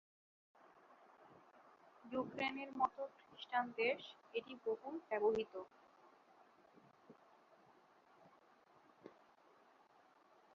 ইউক্রেনের মতো খ্রিস্টান দেশ এটি বহুল ব্যবহৃত।